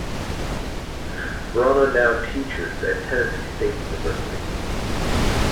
Bronaugh now teaches at Tennessee State University.